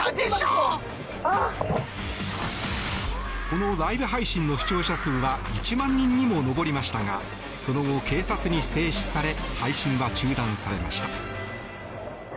このライブ配信の視聴者数は１万人にも上りましたがその後、警察に制止され配信は中断されました。